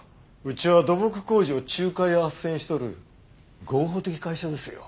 うちは土木工事を仲介斡旋しとる合法的会社ですよ。